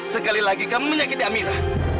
sekali lagi kamu menyakiti amirah